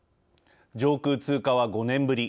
上空通過は５年ぶり。